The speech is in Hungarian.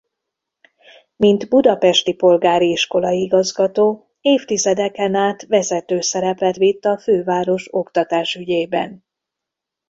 Mint budapesti polgári iskolai igazgató évtizedeken át vezető szerepet vitt a főváros oktatásügyében.